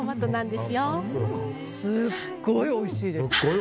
すごいおいしいです！